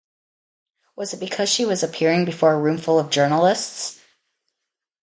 Was it because she was appearing before a roomful of journalists?